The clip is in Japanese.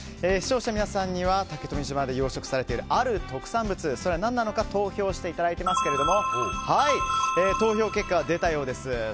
視聴者の皆さんには竹富島で養殖されているある特産物、それは何なのか投票していただいていますけども投票結果が出ました。